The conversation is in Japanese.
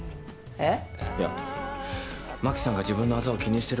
えっ？